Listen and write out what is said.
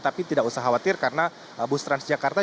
tapi tidak usah khawatir karena bus transjakarta